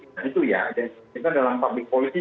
nah itu ya kita dalam public policy